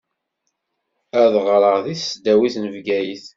Ad ɣṛeɣ di tesdawit n Bgayet.